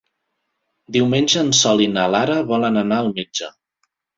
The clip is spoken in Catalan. Diumenge en Sol i na Lara volen anar al metge.